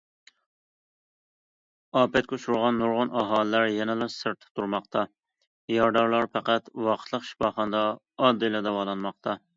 ئاپەتكە ئۇچرىغان نۇرغۇن ئاھالىلەر يەنىلا سىرتتا تۇرماقتا، يارىدارلار پەقەت ۋاقىتلىق شىپاخانىدا ئاددىيلا داۋالانماقتا.